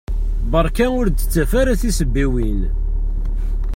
Berka ur d-ttaf ara tisebbiwin!